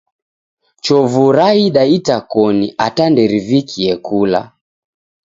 Chovu raida itakoni ata nderivikie kula